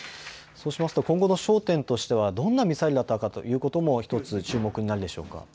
そうしますと今後の焦点としてはどんなミサイルだったかということも１つ注目になるでしょうか。